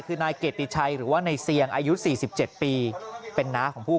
คือนายเกติชัยหรือว่าในเซียงอายุ๔๗ปีเป็นน้าของผู้